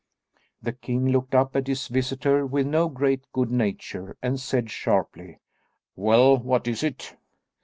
The king looked up at his visitor with no great good nature, and said sharply, "Well, what is it?"